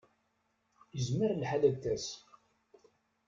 Izmer lḥal ad d-tas.